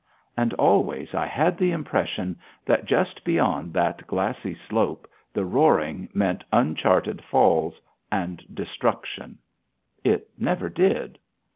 And always I had the impression that just beyond that glassy slope the roaring meant uncharted falls and destruction. It never did.